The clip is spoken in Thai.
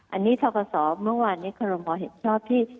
อันนี้ธศเมื่อวานในคศเห็นชอบที่